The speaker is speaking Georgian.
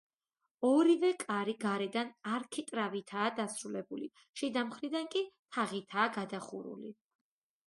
ორივე კარი გარედან არქიტრავითაა დასრულებული, შიდა მხრიდან კი თაღითაა გადახურული.